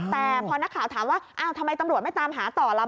แต่พอนักข่าวถามว่าอ้าวทำไมตำรวจไม่ตามหาต่อล่ะ